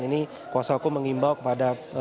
ini kuhp menghimbau kepada